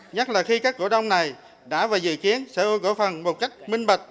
nhất là khi các cổ đông này đã và dự kiến sở hữu cổ phần một cách minh bạch